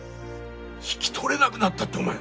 引き取れなくなったってお前。